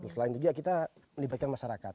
selain itu kita memberikan masyarakat